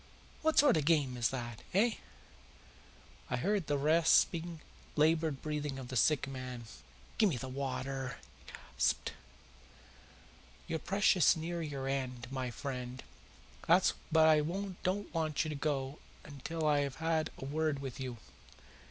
What sort of a game is that eh?" I heard the rasping, laboured breathing of the sick man. "Give me the water!" he gasped. "You're precious near your end, my friend, but I don't want you to go till I have had a word with you.